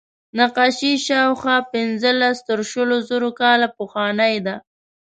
نقاشي شاوخوا پینځلس تر شلو زره کاله پخوانۍ ده.